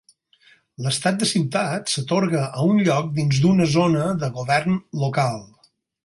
L'estat de ciutat s'atorga a un lloc dins d'una zona de govern local.